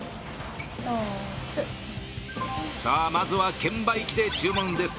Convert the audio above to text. まずは券売機で注文です。